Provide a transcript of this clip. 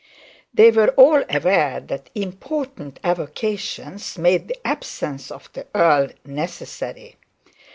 They were all aware that important avocations made the absence of the earl necessary.